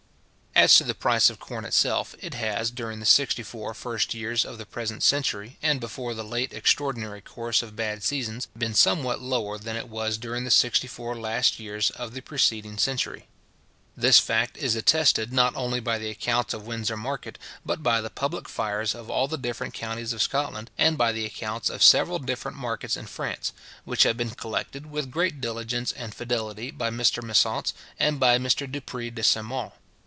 As to the price of corn itself, it has, during the sixty four first years of the present century, and before the late extraordinary course of bad seasons, been somewhat lower than it was during the sixty four last years of the preceding century. This fact is attested, not only by the accounts of Windsor market, but by the public fiars of all the different counties of Scotland, and by the accounts of several different markets in France, which have been collected with great diligence and fidelity by Mr Messance, and by Mr Dupré de St Maur.